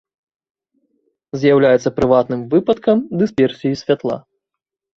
З'яўляецца прыватным выпадкам дысперсіі святла.